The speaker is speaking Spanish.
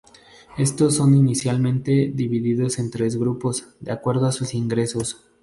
Estos son inicialmente divididos en tres grupos, de acuerdo a sus ingresos.